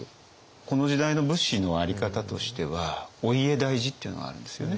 この時代の武士のあり方としてはお家大事っていうのがあるんですよね。